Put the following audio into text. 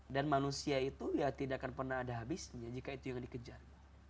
dan manusia itu ya tidak akan pernah ada habisnya jika itu yang dikejar